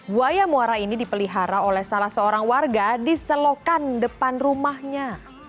buaya muara ini dipelihara oleh salah seorang warga di selokan depan rumahnya